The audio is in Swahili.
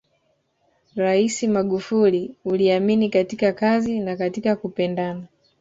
Rais Magufuli uliamini katika kazi na katika kupendana